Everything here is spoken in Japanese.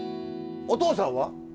お父さんは？